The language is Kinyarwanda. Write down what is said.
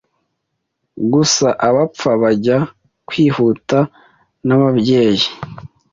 Gusa abapfu bajya kwihuta nababyeyi